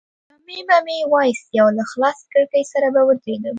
جامې به مې وایستې او له خلاصې کړکۍ سره به ودرېدم.